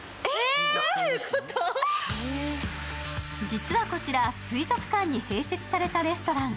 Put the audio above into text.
実はこちら、水族館に併設されたレストラン。